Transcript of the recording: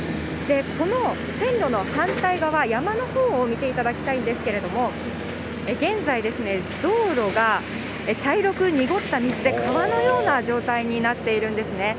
この線路の反対側、山のほうを見ていただきたいんですけれども、現在、道路が茶色く濁った水で川のような状態になっているんですね。